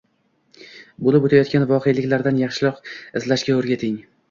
bo‘lib o‘tayotgan voqealardan yaxshilik izlashga o'rgating.